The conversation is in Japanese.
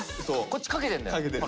こっちかけてんだよ。